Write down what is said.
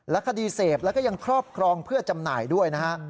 คดีเสพแล้วก็ยังครอบครองเพื่อจำหน่ายด้วยนะฮะ